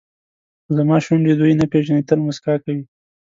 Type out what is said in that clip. خو زما شونډې دوی نه پېژني تل موسکا کوي.